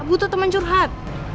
butuh teman curhat